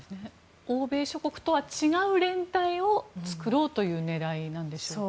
欧米諸国とは違う連帯を作ろうという狙いなんですよね。